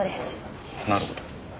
なるほど。